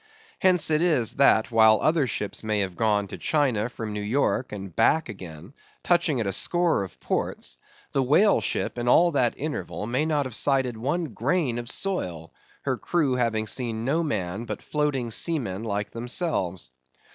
Hence it is, that, while other ships may have gone to China from New York, and back again, touching at a score of ports, the whale ship, in all that interval, may not have sighted one grain of soil; her crew having seen no man but floating seamen like themselves.